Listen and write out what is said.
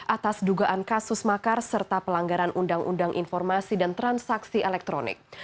atas dugaan kasus makar serta pelanggaran undang undang informasi dan transaksi elektronik